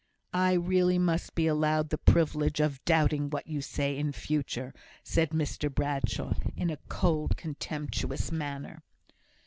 "I really must be allowed the privilege of doubting what you say in future," said Mr Bradshaw, in a cold, contemptuous manner.